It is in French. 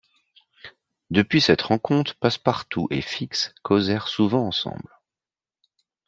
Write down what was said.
Depuis cette rencontre, Passepartout et Fix causèrent souvent ensemble.